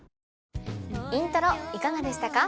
『イントロ』いかがでしたか？